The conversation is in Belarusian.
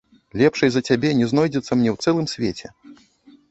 Лепшай за цябе не знойдзецца мне ў цэлым свеце!